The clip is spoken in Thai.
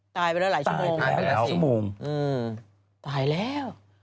ตายไปแล้วหลายชั่วโมงตายแล้วตายแล้ว